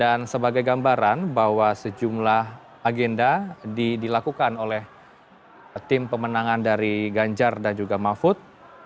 dan ini sebagai gambaran bahwa sejumla agenda dilakukan oleh tim pemenangan dari ganjar dan juga mahfud